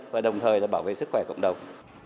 và đồng thời bảo vệ sức khỏe cộng đồng